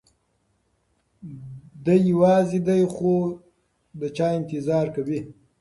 دی یوازې دی خو د چا انتظار کوي.